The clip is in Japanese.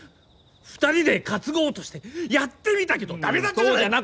２人で担ごうとしてやってみたけど駄目だったじゃ。